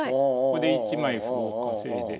ここで１枚歩を稼いで。